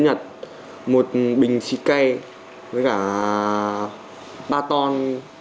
nhặt một bình xịt cây với cả ba ton